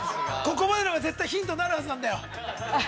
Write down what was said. ◆ここまでのが、絶対ヒントになるはずなんだよ。